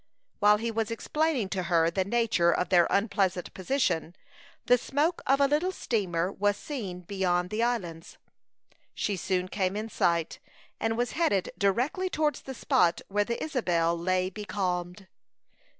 While he was explaining to her the nature of their unpleasant position, the smoke of a little steamer was seen beyond the islands. She soon came in sight, and was headed directly towards the spot where the Isabel lay becalmed.